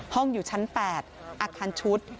ห้องอยู่ชั้น๘อัคพันธุ์ชุด